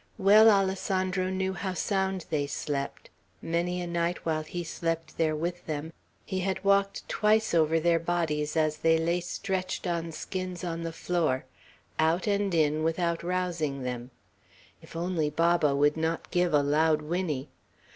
Well Alessandro knew how sound they slept; many a night while he slept there with them he had walked twice over their bodies as they lay stretched on skins on the floor, out and in without rousing them. If only Baba would not give a loud whinny.